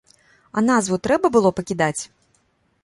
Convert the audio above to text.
А назву трэба было пакідаць?